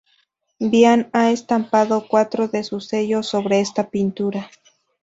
Bian ha estampado cuatro de sus sellos sobre esta pintura.